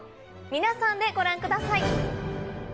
皆さんでご覧ください。